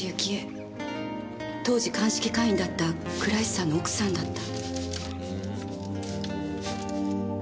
当時鑑識課員だった倉石さんの奥さんだった。